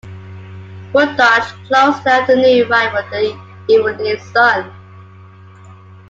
Murdoch closed the afternoon rival "The Evening Sun".